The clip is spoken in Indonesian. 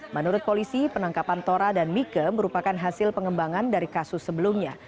menurut polisi penangkapan tora dan mika merupakan hasil pengembangan dari kasus sebelumnya